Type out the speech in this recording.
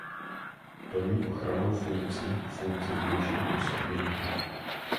Plní ochrannou funkci a funkci vnější kostry buňky.